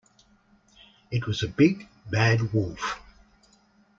It was a big, bad wolf.